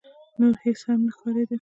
نور هيڅ هم نه ښکارېدل.